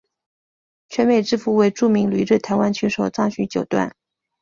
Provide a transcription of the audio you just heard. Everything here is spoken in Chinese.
泉美之夫为著名旅日台湾棋手张栩九段。